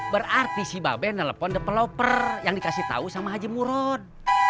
berarti si babi telepon developer yang dikasih tau sama haji murod